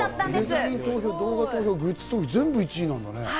デザイン投票、動画投票、グッズ投票、全部１位だったんだね。